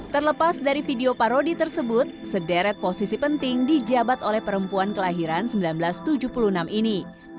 terlepas dari video parodi tersebut sederet posisi penting dijabat oleh perempuan kelahiran seribu sembilan ratus tujuh puluh enam ini